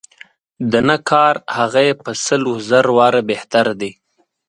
د نه کار هغه یې په سل و زر واره بهتر دی.